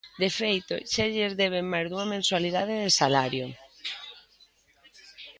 De feito, xa lles deben máis dunha mensualidade de salario.